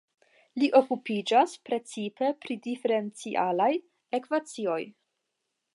Li okupiĝas precipe pri diferencialaj ekvacioj.